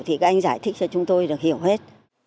thì các anh giải thích cho chúng tôi được hiểu hết